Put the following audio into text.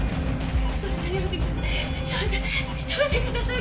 やめてやめてください